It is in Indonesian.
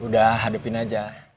udah hadepin aja